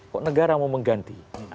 kok negara mau mengganti